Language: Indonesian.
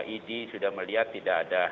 idi sudah melihat tidak ada